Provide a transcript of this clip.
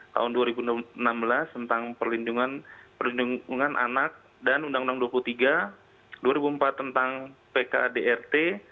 tahun dua ribu enam belas tentang perlindungan anak dan undang undang dua puluh tiga dua ribu empat tentang pkdrt